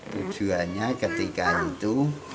tujuannya ketika itu